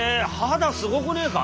肌すごくねえか？